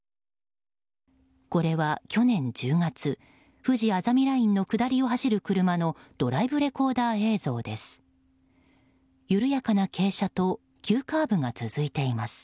これは去年１０月ふじあざみラインの下りを走る車のドライブレコーダー映像です。